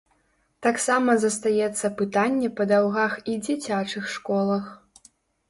Таксама застаецца пытанне па даўгах і дзіцячых школах.